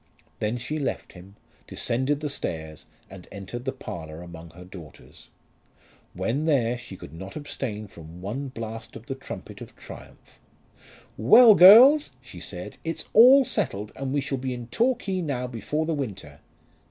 Then she left him, descended the stairs, and entered the parlour among her daughters. When there she could not abstain from one blast of the trumpet of triumph. "Well, girls," she said, "it's all settled, and we shall be in Torquay now before the winter."